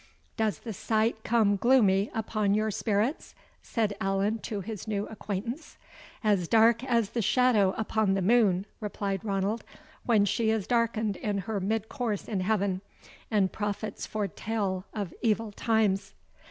"Does the sight come gloomy upon your spirits?" said Allan to his new acquaintance. "As dark as the shadow upon the moon," replied Ranald, "when she is darkened in her mid course in heaven, and prophets foretell of evil times."